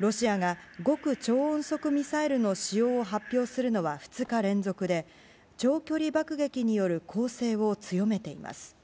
ロシアが極超音速ミサイルの使用を発表するのは２日連続で長距離爆撃による攻勢を強めています。